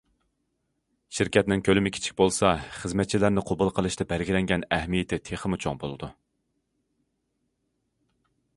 شىركەتنىڭ كۆلىمى كىچىك بولسا خىزمەتچىلەرنى قوبۇل قىلىشتا بەلگىلەنگەن ئەھمىيىتى تېخىمۇ چوڭ بولىدۇ.